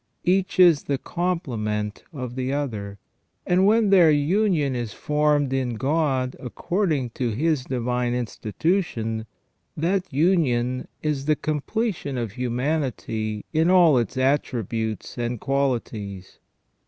Each is the complement of the other, and when their union is formed in God according to His divine institution, that union is the com pletion of humanity in all its attributes and qualities.